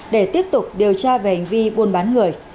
để tiếp tục điều tra về hành vi buôn bán người